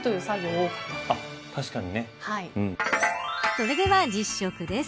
それでは実食です。